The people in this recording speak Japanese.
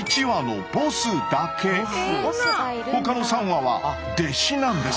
他の３羽は弟子なんです。